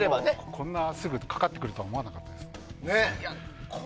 こんなすぐかかってくるとは思わなかったです。